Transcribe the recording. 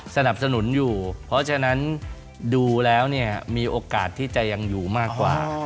สนับสนุนอยู่เพราะฉะนั้นดูแล้วเนี่ยมีโอกาสที่จะยังอยู่มากกว่า